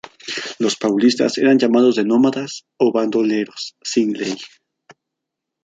Los paulistas eran llamados de "nómadas", o "bandoleros sin ley".